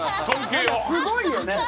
すごいよね。